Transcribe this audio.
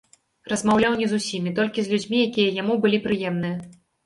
Размаўляў не з усімі, толькі з людзьмі, якія яму былі прыемныя.